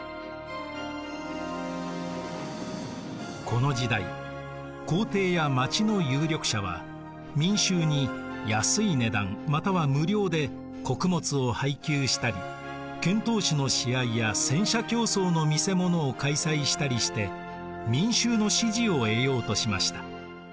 この時代皇帝や町の有力者は民衆に安い値段または無料で穀物を配給したり剣闘士の試合や戦車競走の見せ物を開催したりして民衆の支持を得ようとしました。